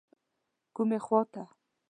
کومې خواته.